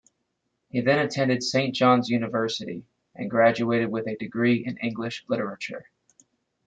He then attended Saint John's University, and graduated with a degree in English literature.